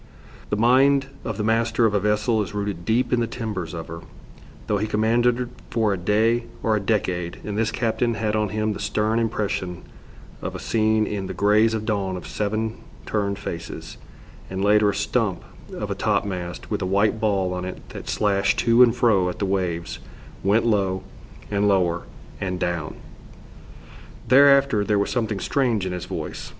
The mind of the master of a vessel is rooted deep in the timbers of her, though he commanded for a day or a decade, and this captain had on him the stern impression of a scene in the greys of dawn of seven turned faces, and later a stump of a top mast with a white ball on it that slashed to and fro at the waves, went low and lower, and down. Thereafter there was something strange in his voice.